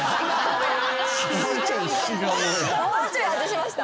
もうちょい味しました？